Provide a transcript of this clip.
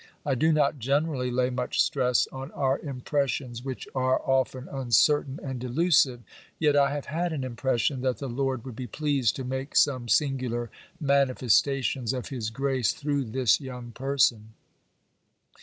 I do not generally lay much stress on our impressions, which are often uncertain and delusive; yet I have had an impression that the Lord would be pleased to make some singular manifestations of His grace through this young person.